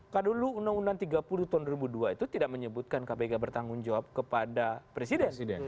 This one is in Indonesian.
kan dulu undang undang tiga puluh tahun dua ribu dua itu tidak menyebutkan kpk bertanggung jawab kepada presiden